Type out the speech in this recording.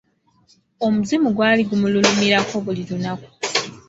Omuzimu gwali gumululumirako buli lunaku.